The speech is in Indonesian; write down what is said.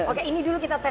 oke ini dulu kita tes dulu